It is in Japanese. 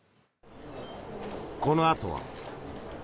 このあとは。